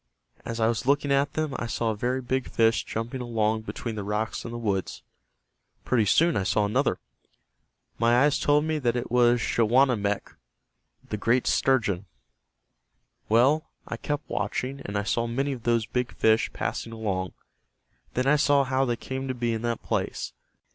As I was looking at them I saw a very big fish jumping along between the rocks and the woods. Pretty soon I saw another. My eyes told me that it was Schawanammek, the great sturgeon. Well, I kept watching and I saw many of those big fish passing along. Then I saw how they came to be in that place.